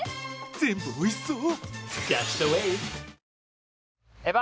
全部おいしそう！